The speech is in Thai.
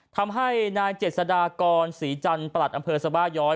ทำให้นายเจษฎากรศรีจันทร์ประหลัดอำเภอสบาย้อย